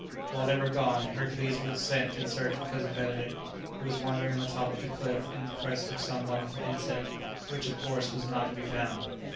While they were gone, Hercules was sent in search of Cousin Benedict, who was wandering on the top of the cliff in quest of some wonderful insect, which, of course, was not to be found.